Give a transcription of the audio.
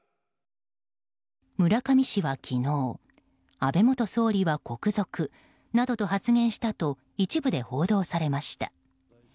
村上氏は昨日安倍元総理は国賊などと発言したと一部で報道されました。